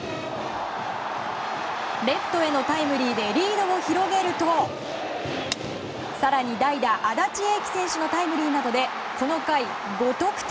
レフトへのタイムリーでリードを広げると更に代打、安達英輝選手のタイムリーなどでこの回５得点。